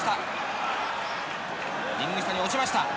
リング下に落ちました。